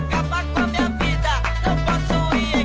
ก็มีความสนิทสนมที่